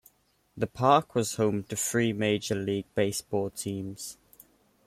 The park was home to three major league baseball teams.